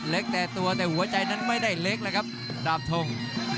แต่ตัวแต่หัวใจนั้นไม่ได้เล็กเลยครับดาบทง